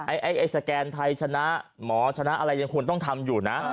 ไอ้สแกนไทยชนะหมอชนะอะไรยังควรต้องทำอยู่นะ